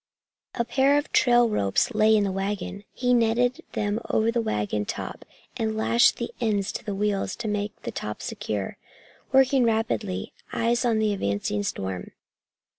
A pair of trail ropes lay in the wagon. He netted them over the wagon top and lashed the ends to the wheels to make the top securer, working rapidly, eyes on the advancing storm.